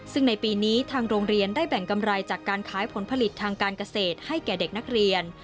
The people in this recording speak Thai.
ซึ่งในปีนี้ทางโรงเรียนได้แบ่งกำไรจากการขายผลผลิตทางการเกษตรให้แก่เด็กนักเรียน